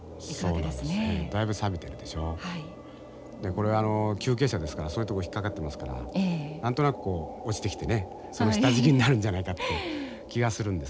これ急傾斜ですからそういうとこ引っ掛かってますから何となくこう落ちてきてねその下敷きになるんじゃないかっていう気がするんですがね。